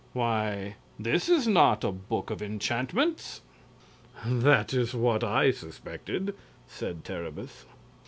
Why, this is not a book of enchantments." "That is what I suspected," said Terribus.